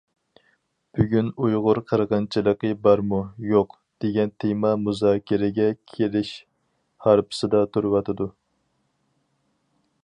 بۈگۈن ئۇيغۇر قىرغىنچىلىقى بارمۇ-يوق دېگەن تېما مۇزاكىرىگە كېلىش ھارپىسىدا تۇرۇۋاتىدۇ.